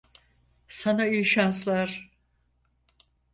Sana iyi şanslar.